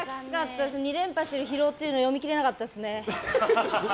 ２連覇してる疲労っていうのは読み切れなかったですね。